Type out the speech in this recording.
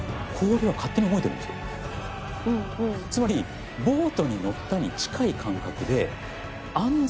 つまりボートに乗ったに近い感覚で。